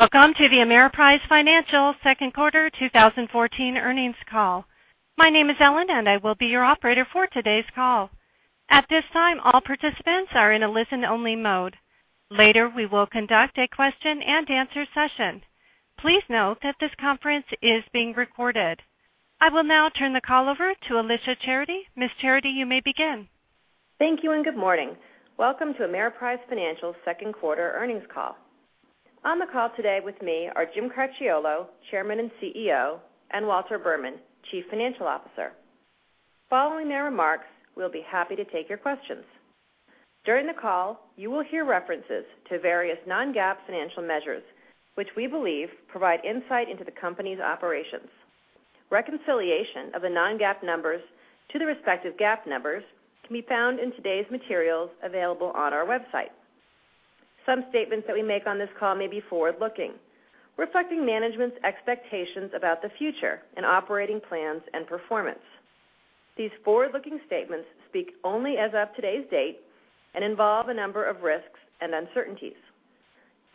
Welcome to the Ameriprise Financial second quarter 2014 earnings call. My name is Ellen, and I will be your operator for today's call. At this time, all participants are in a listen-only mode. Later, we will conduct a question-and-answer session. Please note that this conference is being recorded. I will now turn the call over to Alicia Charity. Ms. Charity, you may begin. Thank you, and good morning. Welcome to Ameriprise Financial's second quarter earnings call. On the call today with me are Jim Cracchiolo, Chairman and CEO; and Walter Berman, Chief Financial Officer. Following their remarks, we'll be happy to take your questions. During the call, you will hear references to various non-GAAP financial measures, which we believe provide insight into the company's operations. Reconciliation of the non-GAAP numbers to the respective GAAP numbers can be found in today's materials available on our website. Some statements that we make on this call may be forward-looking, reflecting management's expectations about the future and operating plans and performance. These forward-looking statements speak only as of today's date and involve a number of risks and uncertainties.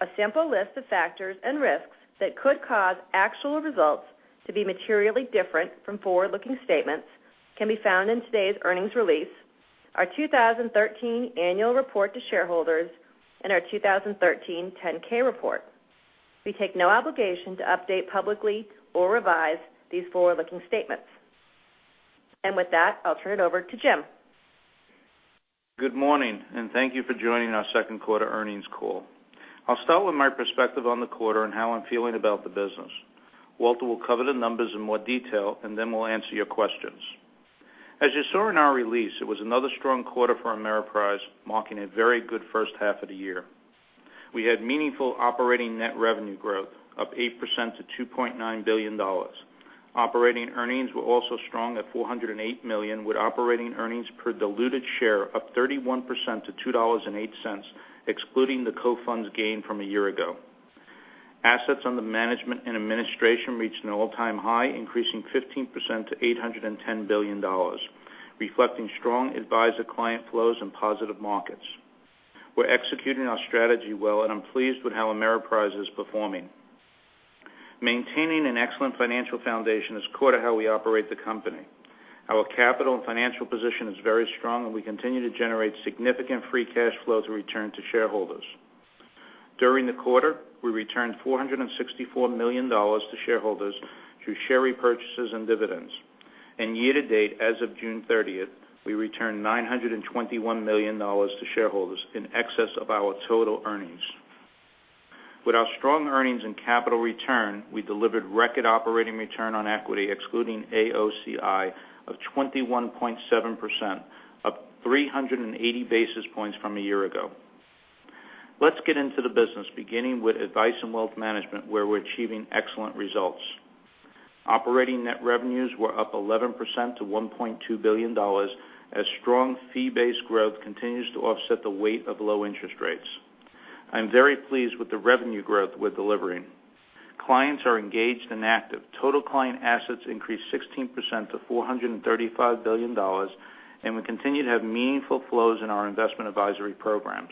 A sample list of factors and risks that could cause actual results to be materially different from forward-looking statements can be found in today's earnings release, our 2013 annual report to shareholders, and our 2013 10-K report. We take no obligation to update publicly or revise these forward-looking statements. With that, I'll turn it over to Jim. Good morning, and thank you for joining our second quarter earnings call. I'll start with my perspective on the quarter and how I'm feeling about the business. Walter will cover the numbers in more detail, and then we'll answer your questions. As you saw in our release, it was another strong quarter for Ameriprise, marking a very good first half of the year. We had meaningful operating net revenue growth, up 8% to $2.9 billion. Operating earnings were also strong at $408 million, with operating earnings per diluted share up 31% to $2.08, excluding the Cofund's gain from a year ago. Assets under management and administration reached an all-time high, increasing 15% to $810 billion, reflecting strong advisor-client flows and positive markets. We're executing our strategy well, and I'm pleased with how Ameriprise is performing. Maintaining an excellent financial foundation is core to how we operate the company. Our capital and financial position is very strong, we continue to generate significant free cash flow to return to shareholders. During the quarter, we returned $464 million to shareholders through share repurchases and dividends. Year-to-date, as of June 30th, we returned $921 million to shareholders in excess of our total earnings. With our strong earnings and capital return, we delivered record operating return on equity excluding AOCI of 21.7%, up 380 basis points from a year ago. Let's get into the business, beginning with Advice & Wealth Management, where we're achieving excellent results. Operating net revenues were up 11% to $1.2 billion, as strong fee-based growth continues to offset the weight of low interest rates. I'm very pleased with the revenue growth we're delivering. Clients are engaged and active. Total client assets increased 16% to $435 billion, we continue to have meaningful flows in our investment advisory programs.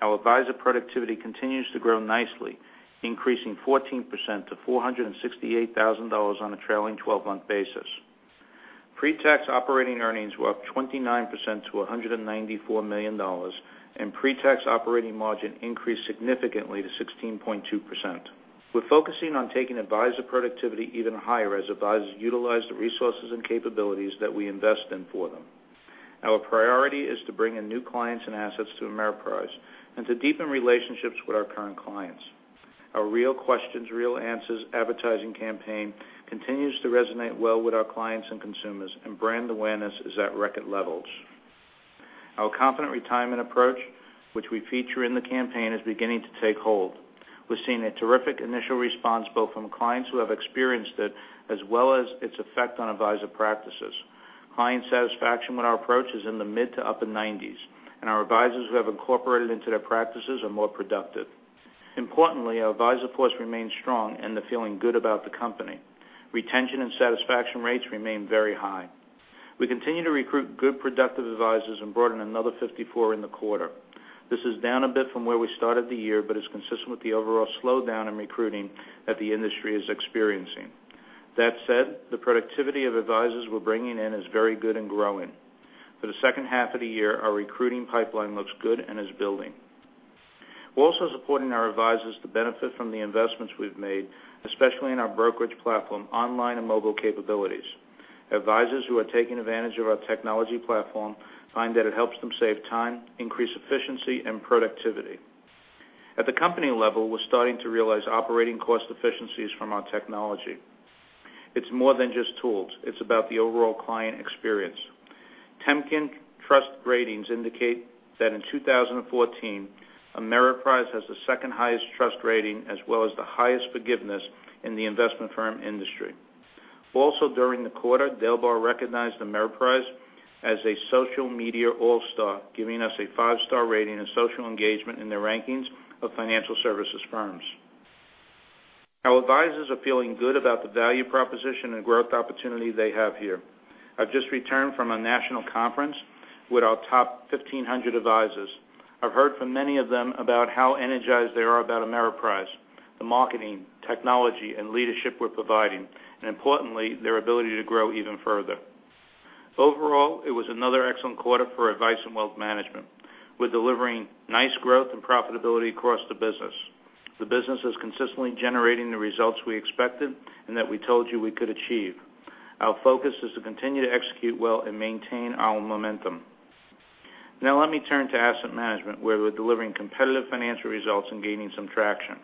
Our advisor productivity continues to grow nicely, increasing 14% to $468,000 on a trailing 12-month basis. Pre-tax operating earnings were up 29% to $194 million, pre-tax operating margin increased significantly to 16.2%. We're focusing on taking advisor productivity even higher as advisors utilize the resources and capabilities that we invest in for them. Our priority is to bring in new clients and assets to Ameriprise and to deepen relationships with our current clients. Our Real Questions, Real Answers advertising campaign continues to resonate well with our clients and consumers, brand awareness is at record levels. Our Confident Retirement approach, which we feature in the campaign, is beginning to take hold. We're seeing a terrific initial response both from clients who have experienced it, as well as its effect on advisor practices. Client satisfaction with our approach is in the mid to upper 90s, our advisors who have incorporated it into their practices are more productive. Importantly, our advisor force remains strong and they're feeling good about the company. Retention and satisfaction rates remain very high. We continue to recruit good, productive advisors and brought in another 54 in the quarter. This is down a bit from where we started the year, is consistent with the overall slowdown in recruiting that the industry is experiencing. That said, the productivity of advisors we're bringing in is very good and growing. For the second half of the year, our recruiting pipeline looks good and is building. We're also supporting our advisors to benefit from the investments we've made, especially in our brokerage platform, online and mobile capabilities. Advisors who are taking advantage of our technology platform find that it helps them save time, increase efficiency, and productivity. At the company level, we're starting to realize operating cost efficiencies from our technology. It's more than just tools. It's about the overall client experience. Temkin Trust Ratings indicate that in 2014, Ameriprise has the second highest trust rating as well as the highest forgiveness in the investment firm industry. Also during the quarter, DALBAR recognized Ameriprise as a social media all-star, giving us a five-star rating in social engagement in their rankings of financial services firms. Our advisors are feeling good about the value proposition and growth opportunity they have here. I've just returned from a national conference with our top 1,500 advisors. I've heard from many of them about how energized they are about Ameriprise, the marketing, technology, and leadership we're providing, and importantly, their ability to grow even further. Overall, it was another excellent quarter for Advice & Wealth Management. We're delivering nice growth and profitability across the business. The business is consistently generating the results we expected and that we told you we could achieve. Our focus is to continue to execute well and maintain our momentum. Let me turn to Asset Management, where we're delivering competitive financial results and gaining some traction.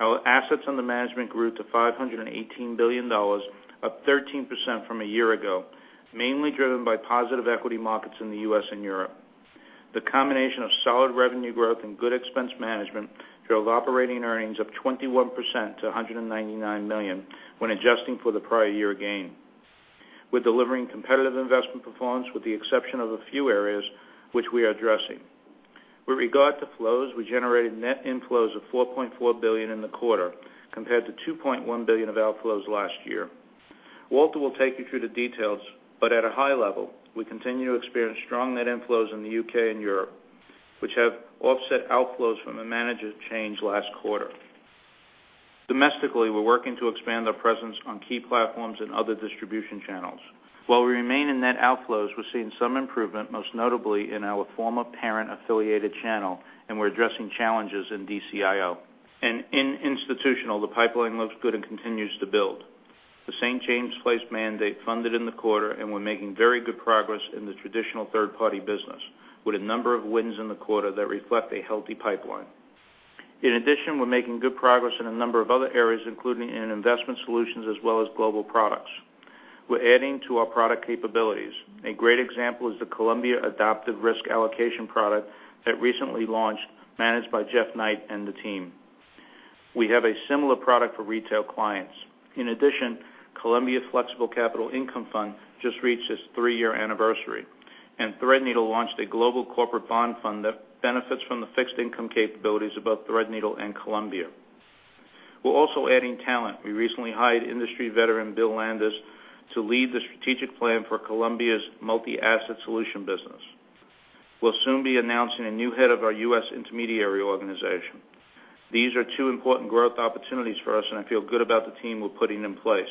Our assets under management grew to $518 billion, up 13% from a year ago, mainly driven by positive equity markets in the U.S. and Europe. The combination of solid revenue growth and good expense management drove operating earnings up 21% to $199 million when adjusting for the prior year gain. We're delivering competitive investment performance with the exception of a few areas which we are addressing. With regard to flows, we generated net inflows of $4.4 billion in the quarter compared to $2.1 billion of outflows last year. Walter will take you through the details, but at a high level, we continue to experience strong net inflows in the U.K. and Europe, which have offset outflows from a manager change last quarter. Domestically, we're working to expand our presence on key platforms and other distribution channels. While we remain in net outflows, we're seeing some improvement, most notably in our former parent-affiliated channel, and we're addressing challenges in DCIO. In institutional, the pipeline looks good and continues to build. The St. James's Place mandate funded in the quarter. We're making very good progress in the traditional third-party business with a number of wins in the quarter that reflect a healthy pipeline. In addition, we're making good progress in a number of other areas, including in investment solutions as well as global products. We're adding to our product capabilities. A great example is the Columbia Adaptive Risk Allocation product that recently launched, managed by Jeff Knight and the team. We have a similar product for retail clients. In addition, Columbia Flexible Capital Income Fund just reached its three-year anniversary, and Threadneedle launched a global corporate bond fund that benefits from the fixed income capabilities of both Threadneedle and Columbia. We're also adding talent. We recently hired industry veteran Bill Landes to lead the strategic plan for Columbia's multi-asset solution business. We'll soon be announcing a new head of our U.S. intermediary organization. These are two important growth opportunities for us. I feel good about the team we're putting in place.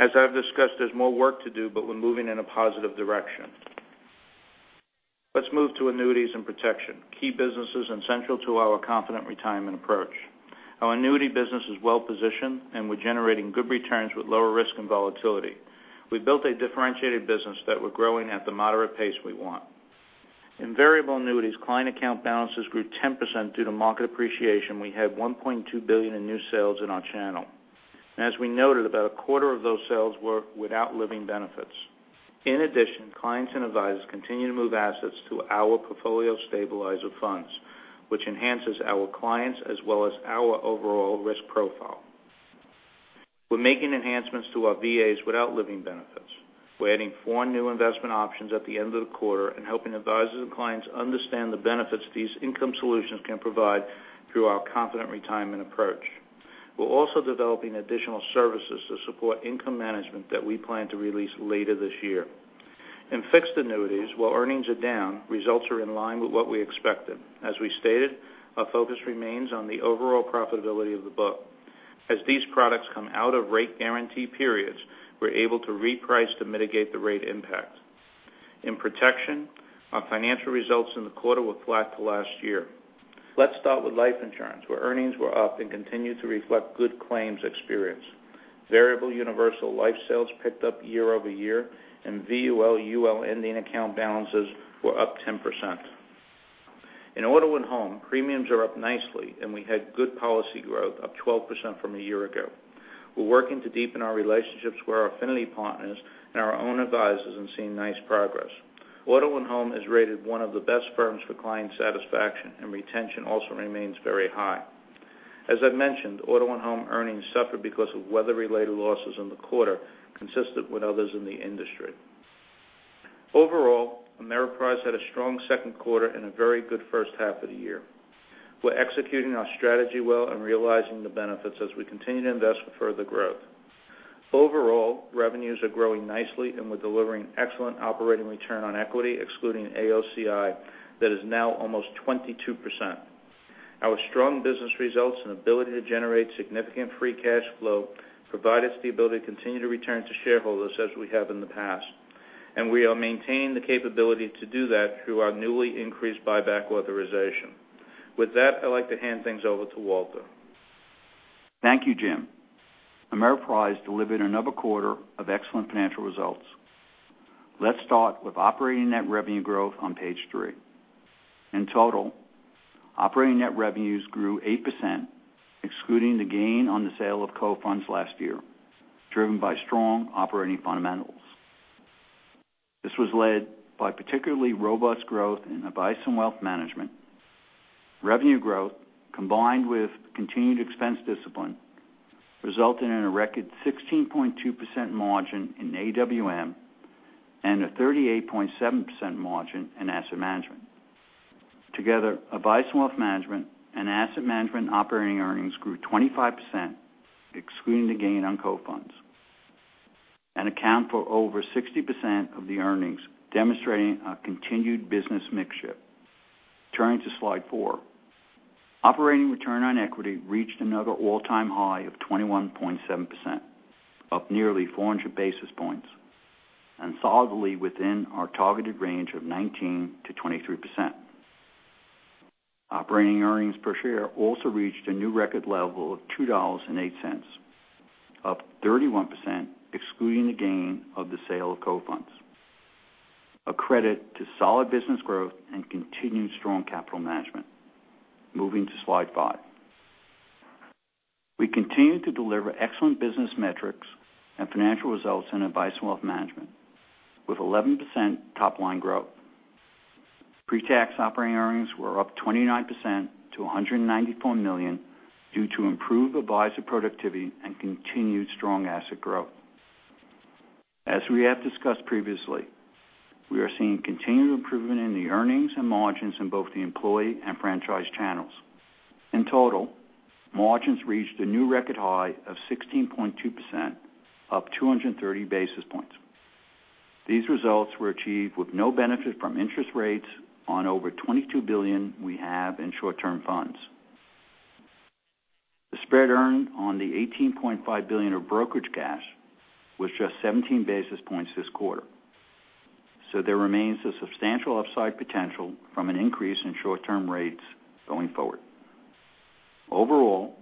As I've discussed, there's more work to do. We're moving in a positive direction. Let's move to Annuities and Protection, key businesses and central to our Confident Retirement approach. Our annuity business is well-positioned. We're generating good returns with lower risk and volatility. We built a differentiated business that we're growing at the moderate pace we want. In variable annuities, client account balances grew 10% due to market appreciation. We had $1.2 billion in new sales in our channel. As we noted, about a quarter of those sales were without living benefits. In addition, clients and advisors continue to move assets to our Portfolio Stabilizer funds, which enhances our clients as well as our overall risk profile. We're making enhancements to our VAs without living benefits. We're adding four new investment options at the end of the quarter and helping advisors and clients understand the benefits these income solutions can provide through our Confident Retirement approach. We're also developing additional services to support income management that we plan to release later this year. In fixed annuities, while earnings are down, results are in line with what we expected. As we stated, our focus remains on the overall profitability of the book. As these products come out of rate guarantee periods, we're able to reprice to mitigate the rate impact. In protection, our financial results in the quarter were flat to last year. Let's start with life insurance, where earnings were up and continue to reflect good claims experience. Variable universal life sales picked up year-over-year, and VUL/UL ending account balances were up 10%. In auto and home, premiums are up nicely, and we had good policy growth, up 12% from a year ago. We're working to deepen our relationships with our affinity partners and our own advisors and seeing nice progress. Auto and home is rated one of the best firms for client satisfaction, and retention also remains very high. As I've mentioned, auto and home earnings suffered because of weather-related losses in the quarter, consistent with others in the industry. Overall, Ameriprise had a strong second quarter and a very good first half of the year. We're executing our strategy well and realizing the benefits as we continue to invest for further growth. Overall, revenues are growing nicely, and we're delivering excellent operating return on equity, excluding AOCI, that is now almost 22%. Our strong business results and ability to generate significant free cash flow provide us the ability to continue to return to shareholders as we have in the past. We are maintaining the capability to do that through our newly increased buyback authorization. With that, I'd like to hand things over to Walter. Thank you, Jim. Ameriprise delivered another quarter of excellent financial results. Let's start with operating net revenue growth on page three. In total, operating net revenues grew 8%, excluding the gain on the sale of cofunds last year, driven by strong operating fundamentals. This was led by particularly robust growth in Advice and Wealth Management. Revenue growth, combined with continued expense discipline, resulted in a record 16.2% margin in AWM and a 38.7% margin in Asset Management. Together, Advice and Wealth Management and Asset Management operating earnings grew 25%, excluding the gain on Cofunds, and account for over 60% of the earnings, demonstrating a continued business mix shift. Turning to slide four. Operating return on equity reached another all-time high of 21.7%, up nearly 400 basis points, and solidly within our targeted range of 19%-23%. Operating earnings per share also reached a new record level of $2.08, up 31%, excluding the gain of the sale of Cofunds, a credit to solid business growth and continued strong capital management. Moving to slide five, we continued to deliver excellent business metrics and financial results in Advice & Wealth Management, with 11% top-line growth. Pre-tax operating earnings were up 29% to $194 million due to improved advisor productivity and continued strong asset growth. As we have discussed previously, we are seeing continued improvement in the earnings and margins in both the employee and franchise channels. In total, margins reached a new record high of 16.2%, up 230 basis points. These results were achieved with no benefit from interest rates on over $22 billion we have in short-term funds. The spread earned on the $18.5 billion of brokerage cash was just 17 basis points this quarter. There remains a substantial upside potential from an increase in short-term rates going forward. Overall,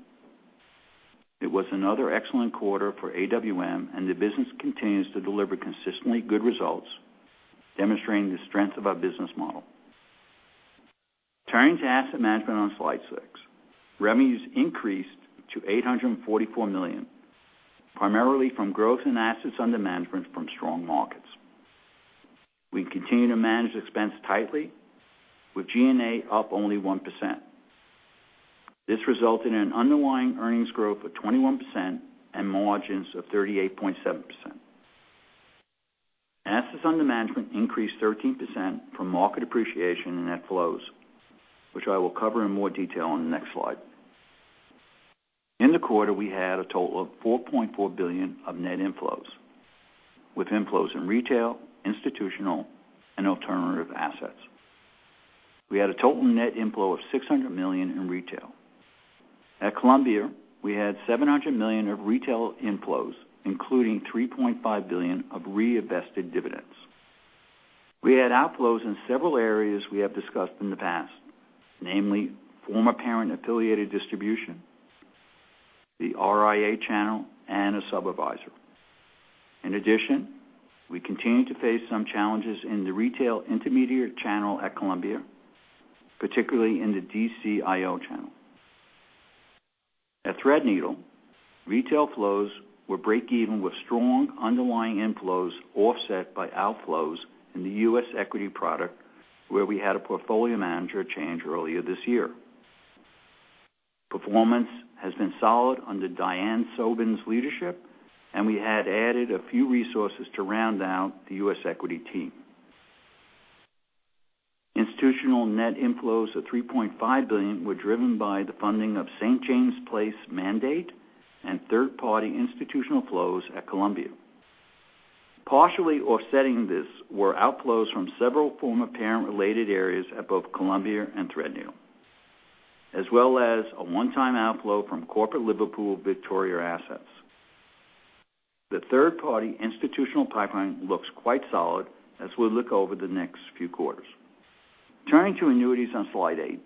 it was another excellent quarter for AWM. The business continues to deliver consistently good results, demonstrating the strength of our business model. Turning to Asset Management on slide six, revenues increased to $844 million, primarily from growth in assets under management from strong markets. We continue to manage expense tightly, with G&A up only 1%. This resulted in an underlying earnings growth of 21% and margins of 38.7%. Assets under management increased 13% from market appreciation and net flows, which I will cover in more detail on the next slide. In the quarter, we had a total of $4.4 billion of net inflows, with inflows in retail, institutional, and alternative assets. We had a total net inflow of $600 million in retail. At Columbia, we had $700 million of retail inflows, including $3.5 billion of reinvested dividends. We had outflows in several areas we have discussed in the past, namely former parent-affiliated distribution, the RIA channel, and a sub-advisor. In addition, we continue to face some challenges in the retail intermediary channel at Columbia, particularly in the DCIO channel. At Threadneedle, retail flows were break even with strong underlying inflows offset by outflows in the U.S. equity product, where we had a portfolio manager change earlier this year. Performance has been solid under Diane Sobin's leadership, and we had added a few resources to round out the U.S. equity team. Institutional net inflows of $3.5 billion were driven by the funding of St. James's Place mandate and third-party institutional flows at Columbia. Partially offsetting this were outflows from several former parent-related areas at both Columbia and Threadneedle, as well as a one-time outflow from Corporate Liverpool Victoria Assets. The third-party institutional pipeline looks quite solid as we look over the next few quarters. Turning to annuities on slide eight,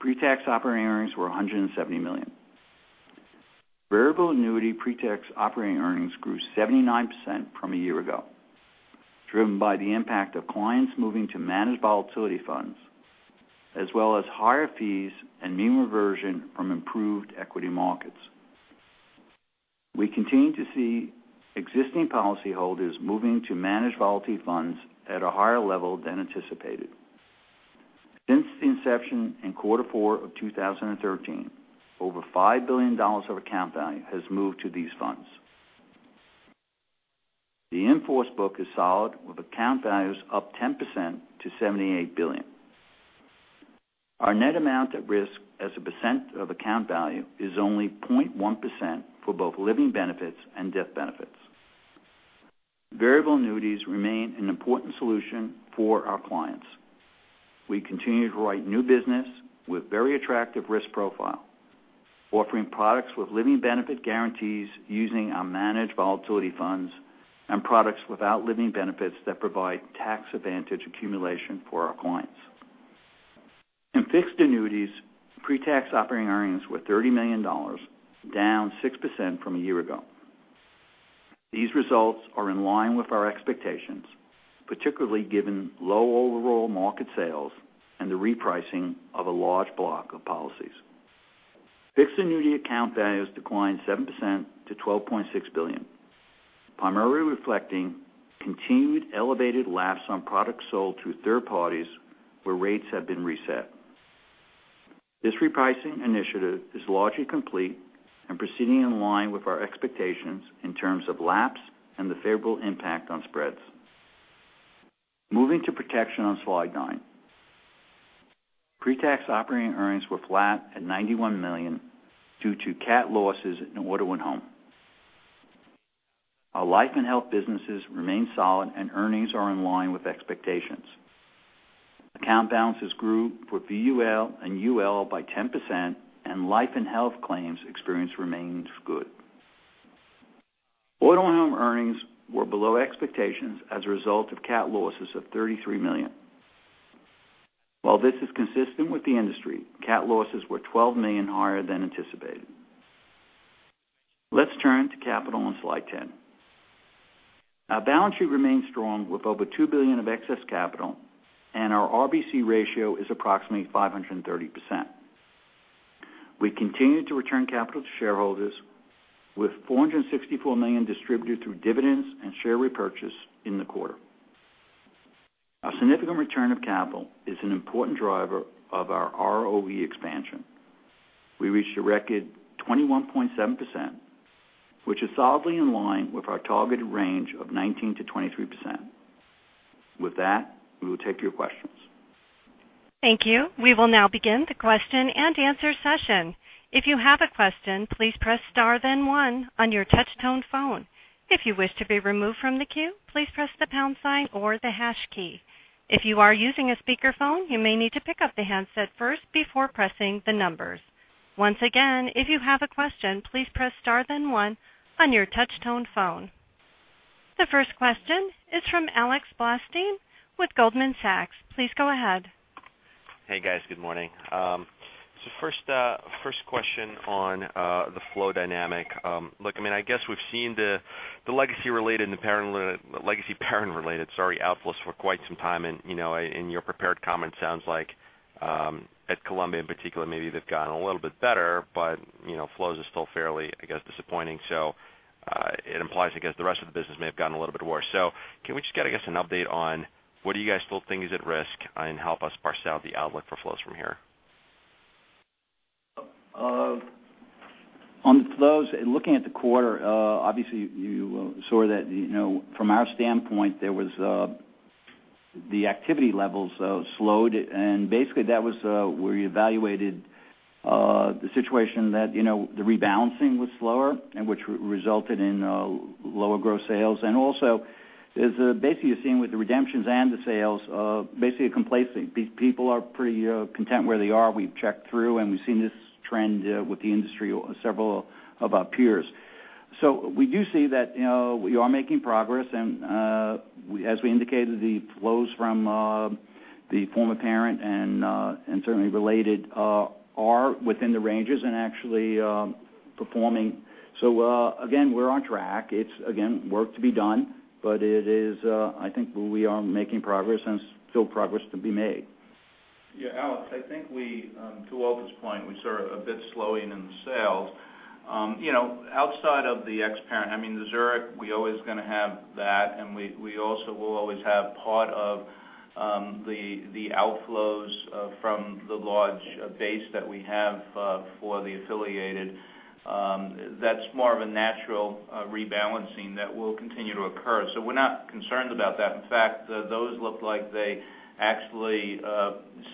pre-tax operating earnings were $170 million. Variable annuity pre-tax operating earnings grew 79% from a year ago, driven by the impact of clients moving to managed volatility funds, as well as higher fees and mean reversion from improved equity markets. We continue to see existing policyholders moving to managed volatility funds at a higher level than anticipated. Since the inception in quarter four of 2013, over $5 billion of account value has moved to these funds. The in-force book is solid, with account values up 10% to $78 billion. Our net amount at risk as a percent of account value is only 0.1% for both living benefits and death benefits. Variable annuities remain an important solution for our clients. We continue to write new business with very attractive risk profile, offering products with living benefit guarantees using our managed volatility funds and products without living benefits that provide tax advantage accumulation for our clients. In fixed annuities, pre-tax operating earnings were $30 million, down 6% from a year ago. These results are in line with our expectations, particularly given low overall market sales and the repricing of a large block of policies. Fixed annuity account values declined 7% to $12.6 billion, primarily reflecting continued elevated lapse on products sold through third parties where rates have been reset. This repricing initiative is largely complete and proceeding in line with our expectations in terms of lapse and the favorable impact on spreads. Moving to protection on slide nine. Pre-tax operating earnings were flat at $91 million due to cat losses in auto and home. Our life and health businesses remain solid and earnings are in line with expectations. Account balances grew for VUL and UL by 10%, and life and health claims experience remains good. Auto and home earnings were below expectations as a result of cat losses of $33 million. While this is consistent with the industry, cat losses were $12 million higher than anticipated. Let's turn to capital on slide 10. Our balance sheet remains strong with over $2 billion of excess capital and our RBC ratio is approximately 530%. We continue to return capital to shareholders with $464 million distributed through dividends and share repurchase in the quarter. Our significant return of capital is an important driver of our ROE expansion. We reached a record 21.7%, which is solidly in line with our targeted range of 19%-23%. With that, we will take your questions. Thank you. We will now begin the question and answer session. If you have a question, please press star then one on your touch tone phone. If you wish to be removed from the queue, please press the pound sign or the hash key. If you are using a speaker phone, you may need to pick up the handset first before pressing the numbers. Once again, if you have a question, please press star then one on your touch tone phone. The first question is from Alex Blostein with Goldman Sachs. Please go ahead. Hey, guys. Good morning. First question on the flow dynamic. I guess we've seen the legacy parent related outflows for quite some time, and in your prepared comments sounds like at Columbia in particular, maybe they've gotten a little bit better, but flows are still fairly, I guess, disappointing. It implies, I guess the rest of the business may have gotten a little bit worse. Can we just get, I guess, an update on what do you guys still think is at risk and help us parse out the outlook for flows from here? On the flows, looking at the quarter, obviously, you saw that from our standpoint, the activity levels slowed. Basically, that was where we evaluated the situation that the rebalancing was slower, which resulted in lower gross sales, and also basically you're seeing with the redemptions and the sales, basically a complacency. These people are pretty content where they are. We've checked through, and we've seen this trend with the industry or several of our peers. We do see that we are making progress, and as we indicated, the flows from the former parent and certainly related are within the ranges and actually performing. Again, we're on track. It's again, work to be done, but I think we are making progress and still progress to be made. Yeah, Alex, I think to Walter's point, we saw a bit slowing in the sales. Outside of the ex parent, the Zurich, we're always going to have that, and we also will always have part of the outflows from the large base that we have for the affiliated. That's more of a natural rebalancing that will continue to occur. We're not concerned about that. In fact, those look like they actually,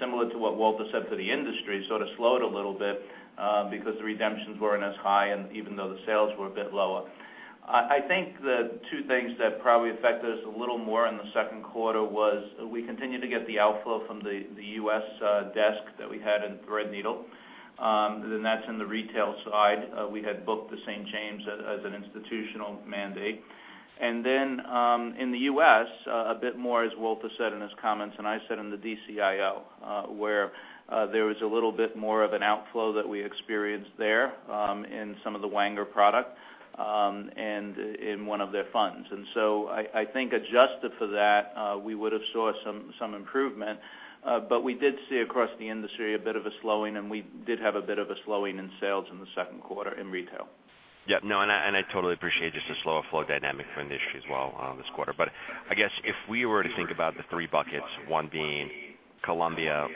similar to what Walter said for the industry, sort of slowed a little bit because the redemptions weren't as high, and even though the sales were a bit lower. I think the two things that probably affect us a little more in the second quarter was we continued to get the outflow from the U.S. desk that we had in Threadneedle. That's in the retail side. We had booked the St. James's as an institutional mandate. In the U.S., a bit more as Walter said in his comments and I said in the DCIO, where there was a little bit more of an outflow that we experienced there in some of the Wanger product in one of their funds. I think adjusted for that, we would have saw some improvement. We did see across the industry a bit of a slowing, and we did have a bit of a slowing in sales in the second quarter in retail. No, I totally appreciate just the slower flow dynamic for the industry as well this quarter. But I guess if we were to think about the three buckets, one being Columbia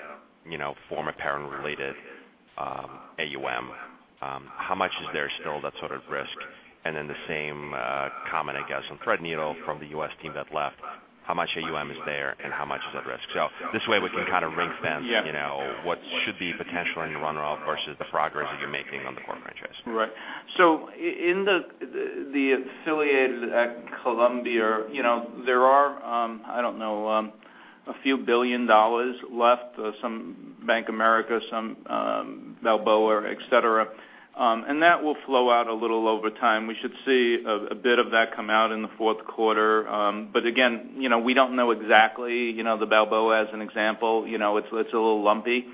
former parent related AUM, how much is there still at sort of risk? The same comment, I guess on Threadneedle from the U.S. team that left, how much AUM is there and how much is at risk? This way we can kind of ring fence- Yeah what should be potentially in the runoff versus the progress that you're making on the core franchise. In the affiliated at Columbia, there are, I don't know, a few billion dollars left, some Bank of America, some Balboa, et cetera. That will flow out a little over time. We should see a bit of that come out in the fourth quarter. Again, we don't know exactly. The Balboa, as an example it's a little lumpy.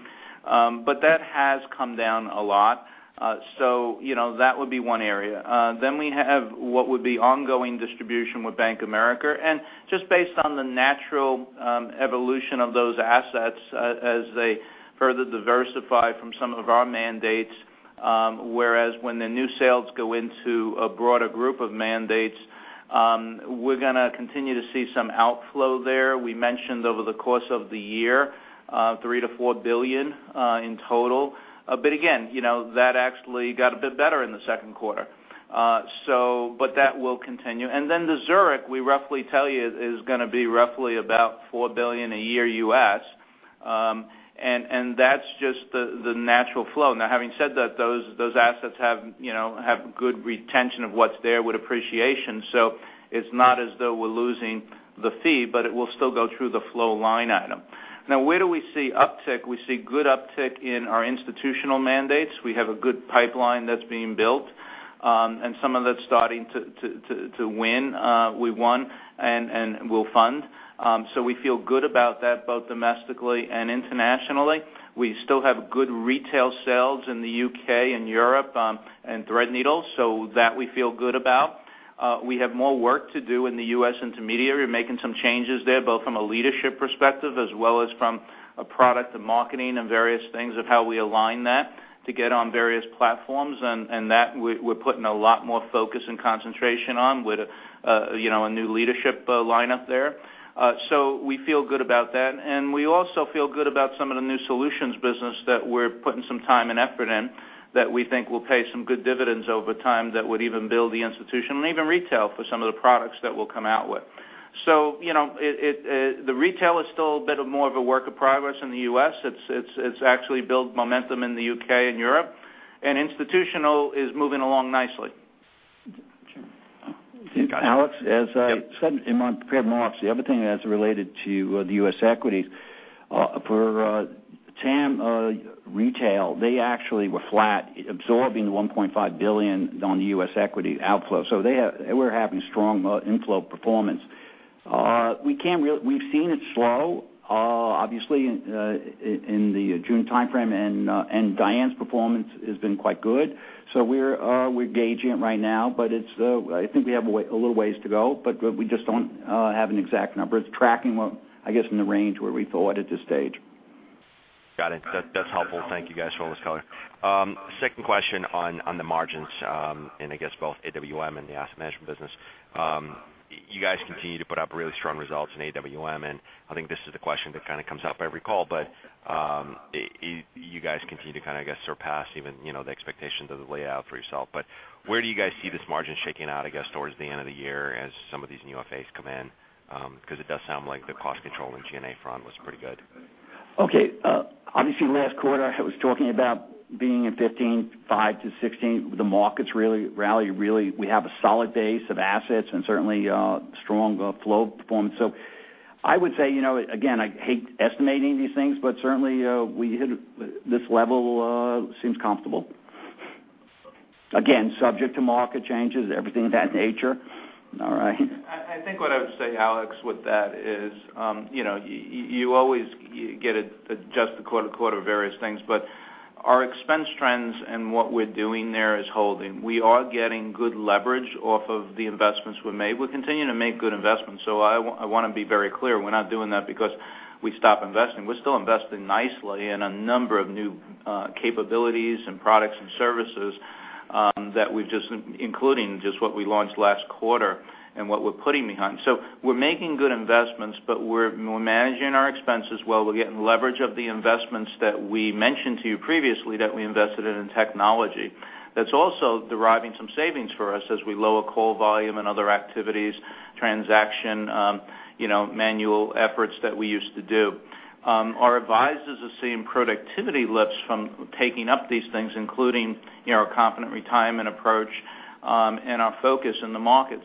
That has come down a lot. That would be one area. We have what would be ongoing distribution with Bank of America, and just based on the natural evolution of those assets as they further diversify from some of our mandates Whereas when the new sales go into a broader group of mandates, we're going to continue to see some outflow there. We mentioned over the course of the year, $3 billion-$4 billion in total. Again, that actually got a bit better in the second quarter. That will continue. The Zurich, we roughly tell you, is going to be roughly about $4 billion a year U.S., and that's just the natural flow. Having said that, those assets have good retention of what's there with appreciation. It's not as though we're losing the fee, but it will still go through the flow line item. Where do we see uptick? We see good uptick in our institutional mandates. We have a good pipeline that's being built. Some of that's starting to win. We won and will fund. We feel good about that, both domestically and internationally. We still have good retail sales in the U.K., in Europe, and Threadneedle, so that we feel good about. We have more work to do in the U.S. intermediary. We're making some changes there, both from a leadership perspective as well as from a product to marketing and various things of how we align that to get on various platforms. That, we're putting a lot more focus and concentration on with a new leadership lineup there. We feel good about that. We also feel good about some of the new solutions business that we're putting some time and effort in, that we think will pay some good dividends over time that would even build the institution and even retail for some of the products that we'll come out with. The retail is still a bit of more of a work in progress in the U.S. It's actually built momentum in the U.K. and Europe, and institutional is moving along nicely. Alex, as I said in my prepared remarks, the other thing that's related to the U.S. equities, for TAM Retail, they actually were flat, absorbing $1.5 billion on the U.S. equity outflow. We're having strong inflow performance. We've seen it slow, obviously, in the June timeframe, and Diane's performance has been quite good. We're gauging it right now, but I think we have a little ways to go, but we just don't have an exact number. It's tracking, I guess, in the range where we thought at this stage. Got it. That's helpful. Thank you guys for all this color. Second question on the margins, I guess both AWM and the Asset Management business. You guys continue to put up really strong results in AWM, and I think this is the question that kind of comes up every call. You guys continue to, I guess, surpass even the expectations of the layout for yourself. Where do you guys see this margin shaking out, I guess, towards the end of the year as some of these new FAs come in? Because it does sound like the cost control in G&A front was pretty good. Okay. Obviously, last quarter, I was talking about being in 15.5%-16%. The markets really rallied. We have a solid base of assets and certainly a strong flow performance. I would say, again, I hate estimating these things, but certainly, this level seems comfortable. Again, subject to market changes, everything of that nature. All right. I think what I would say, Alex, with that is you always get it just quarter to quarter of various things, but our expense trends and what we're doing there is holding. We are getting good leverage off of the investments we've made. We're continuing to make good investments. I want to be very clear, we're not doing that because we stopped investing. We're still investing nicely in a number of new capabilities and products and services including just what we launched last quarter and what we're putting behind. We're making good investments, but we're managing our expenses well. We're getting leverage of the investments that we mentioned to you previously that we invested in technology. That's also deriving some savings for us as we lower call volume and other activities, transaction, manual efforts that we used to do. Our advisors are seeing productivity lifts from taking up these things, including our Confident Retirement approach and our focus in the market.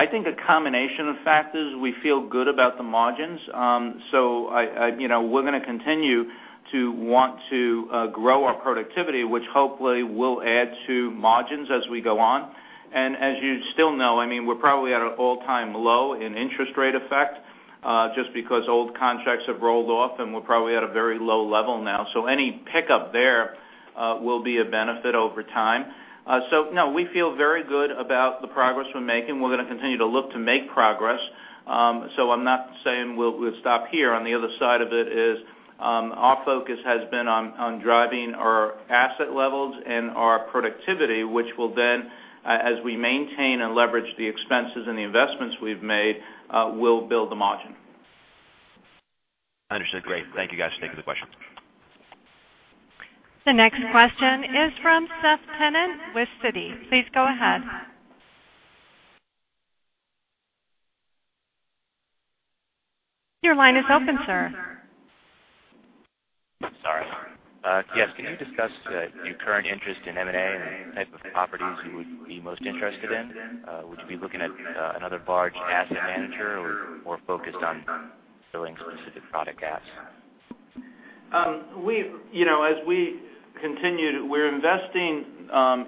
I think a combination of factors, we feel good about the margins. We're going to continue to want to grow our productivity, which hopefully will add to margins as we go on. As you still know, we're probably at an all-time low in interest rate effect just because old contracts have rolled off, and we're probably at a very low level now. Any pickup there will be a benefit over time. No, we feel very good about the progress we're making. We're going to continue to look to make progress. I'm not saying we'll stop here. On the other side of it is our focus has been on driving our asset levels and our productivity, which will then, as we maintain and leverage the expenses and the investments we've made, will build the margin. Understood. Great. Thank you guys. Thanks for the question. The next question is from Seth Tenen with Citi. Please go ahead. Your line is open, sir. Sorry. Yes, can you discuss your current interest in M&A and the type of properties you would be most interested in? Would you be looking at another large asset manager or more focused on filling specific product gaps? As we continue, we're investing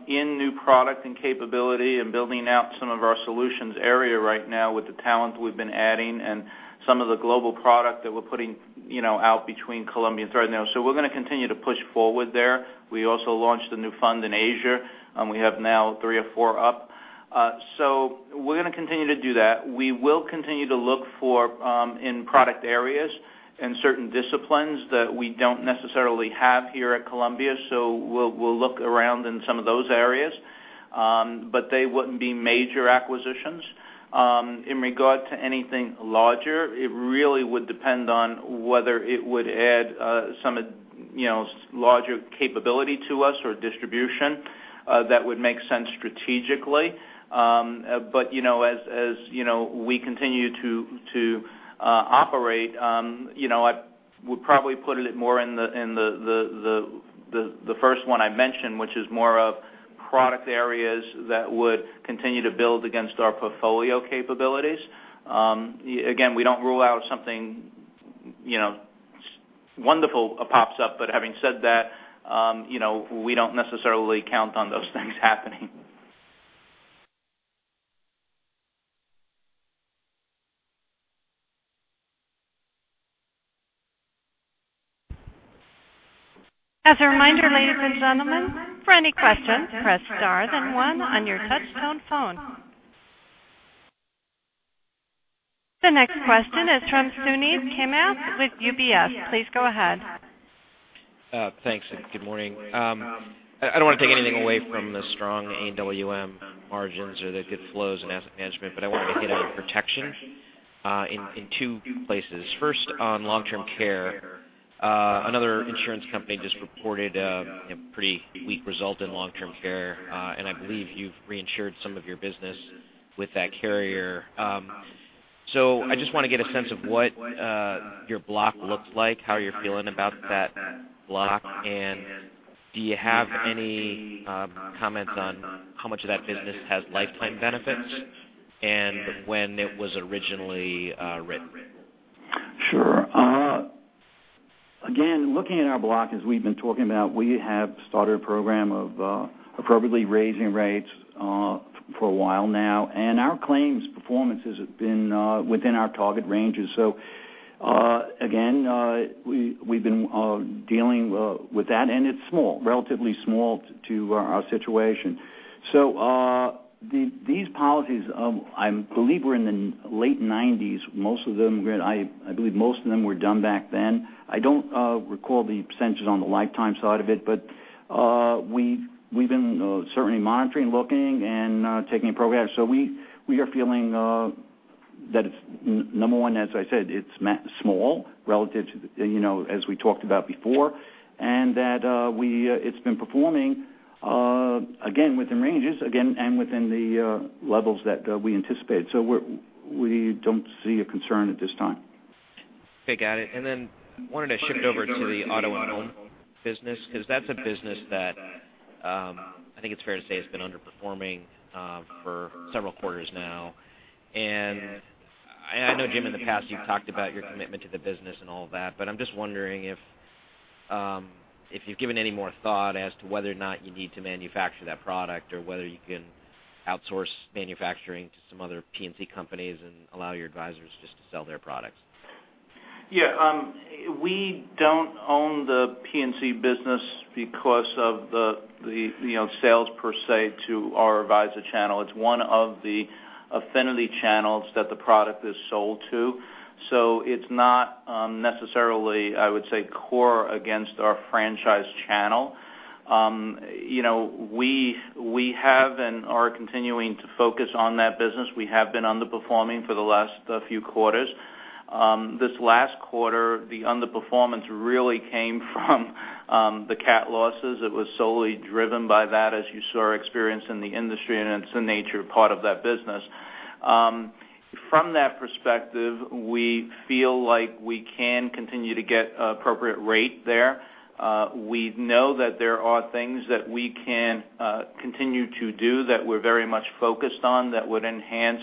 in new product and capability and building out some of our solutions area right now with the talent we've been adding and some of the global product that we're putting out between Columbia and Threadneedle. We're going to continue to push forward there. We also launched a new fund in Asia. We have now three or four up. We're going to continue to do that. We will continue to look for in product areas and certain disciplines that we don't necessarily have here at Columbia, so we'll look around in some of those areas. They wouldn't be major acquisitions. In regard to anything larger, it really would depend on whether it would add some larger capability to us or distribution that would make sense strategically. As we continue to operate, I would probably put it more in the first one I mentioned, which is more of product areas that would continue to build against our portfolio capabilities. Again, we don't rule out something wonderful pops up, but having said that, we don't necessarily count on those things happening. As a reminder, ladies and gentlemen, for any questions, press star then one on your touch-tone phone. The next question is from Suneet Kamath with UBS. Please go ahead. Thanks, and good morning. I don't want to take anything away from the strong AWM margins or the good flows in Asset Management, but I wanted to hit on protection in two places. First, on long-term care. Another insurance company just reported a pretty weak result in long-term care, and I believe you've reinsured some of your business with that carrier. I just want to get a sense of what your block looks like, how you're feeling about that block, and do you have any comments on how much of that business has lifetime benefits and when it was originally written? Sure. Again, looking at our block, as we've been talking about, we have started a program of appropriately raising rates for a while now, and our claims performances have been within our target ranges. Again, we've been dealing with that, and it's relatively small to our situation. These policies, I believe we're in the late 1990s. I believe most of them were done back then. I don't recall the percentages on the lifetime side of it, but we've been certainly monitoring, looking, and taking a program. We are feeling that it's, number one, as I said, it's small relative to as we talked about before, and that it's been performing again within ranges and within the levels that we anticipate. We don't see a concern at this time. Okay, got it. Then wanted to shift over to the auto and home business, because that's a business that I think it's fair to say has been underperforming for several quarters now. I know, Jim, in the past, you've talked about your commitment to the business and all of that, but I'm just wondering if you've given any more thought as to whether or not you need to manufacture that product or whether you can outsource manufacturing to some other P&C companies and allow your advisors just to sell their products. Yeah. We don't own the P&C business because of the sales per se to our advisor channel. It's one of the affinity channels that the product is sold to. It's not necessarily, I would say, core against our franchise channel. We have and are continuing to focus on that business. We have been underperforming for the last few quarters. This last quarter, the underperformance really came from the cat losses. It was solely driven by that, as you saw our experience in the industry, and it's the nature part of that business. From that perspective, we feel like we can continue to get appropriate rate there. We know that there are things that we can continue to do that we're very much focused on that would enhance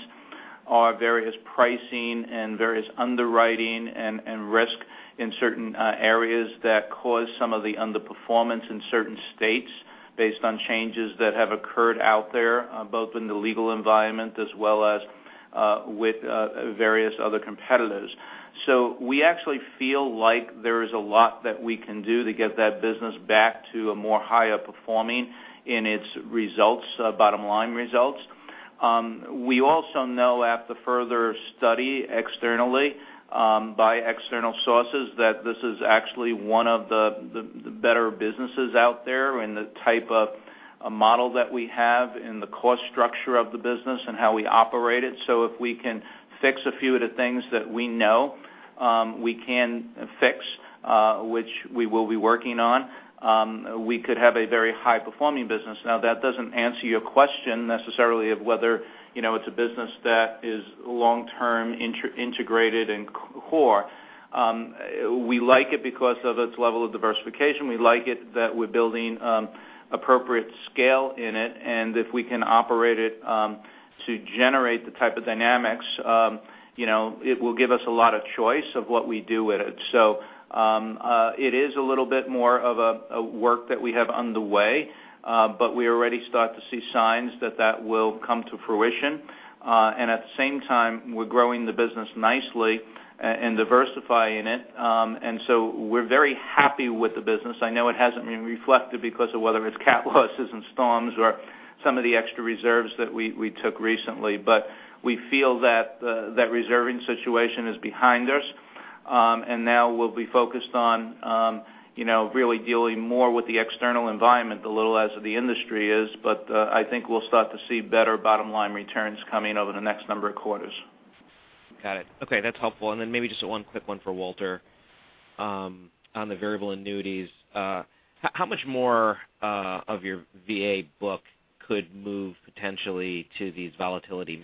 our various pricing and various underwriting and risk in certain areas that cause some of the underperformance in certain states based on changes that have occurred out there, both in the legal environment as well as with various other competitors. We actually feel like there is a lot that we can do to get that business back to a more higher performing in its bottom line results. We also know after further study externally by external sources that this is actually one of the better businesses out there in the type of model that we have in the cost structure of the business and how we operate it. If we can fix a few of the things that we know we can fix, which we will be working on, we could have a very high-performing business. Now, that doesn't answer your question necessarily of whether it's a business that is long-term integrated and core. We like it because of its level of diversification. We like it that we're building appropriate scale in it, and if we can operate it to generate the type of dynamics, it will give us a lot of choice of what we do with it. It is a little bit more of a work that we have underway. We already start to see signs that that will come to fruition. At the same time, we're growing the business nicely and diversifying it. We're very happy with the business. I know it hasn't been reflected because of whether it's cat losses and storms or some of the extra reserves that we took recently. We feel that reserving situation is behind us, now we'll be focused on really dealing more with the external environment a little as the industry is. I think we'll start to see better bottom-line returns coming over the next number of quarters. Got it. Okay, that's helpful. Maybe just one quick one for Walter on the variable annuities. How much more of your VA book could move potentially to these managed volatility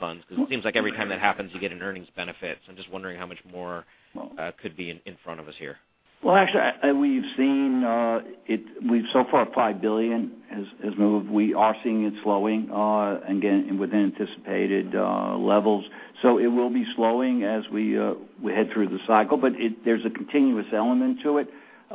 funds? It seems like every time that happens, you get an earnings benefit. I'm just wondering how much more could be in front of us here. Well, actually, we've so far $5 billion has moved. We are seeing it slowing again within anticipated levels. It will be slowing as we head through the cycle, but there's a continuous element to it.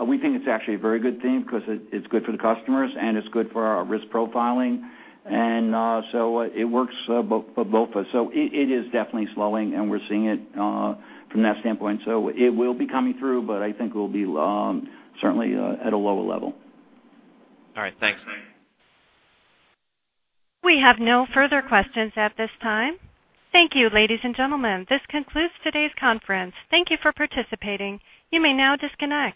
We think it's actually a very good thing. It's good for the customers and it's good for our risk profiling. It works for both of us. It is definitely slowing, and we're seeing it from that standpoint. It will be coming through, but I think it will be certainly at a lower level. All right. Thanks. We have no further questions at this time. Thank you, ladies and gentlemen. This concludes today's conference. Thank you for participating. You may now disconnect.